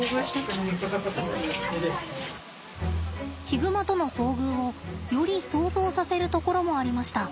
ヒグマとの遭遇をより想像させるところもありました。